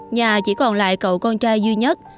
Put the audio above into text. nhà chỉ còn lại cậu con trai duy nhất